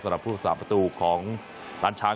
สำหรับพุทธศาสตร์ประตูของด้านช้าง